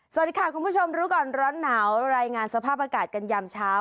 สวัสดีค่ะคุณผู้ชมรู้ก่อนร้อนหนาวรายงานสภาพอากาศกันยามเช้า